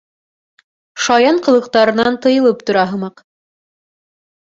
Шаян ҡылыҡтарынан тыйылып тора һымаҡ.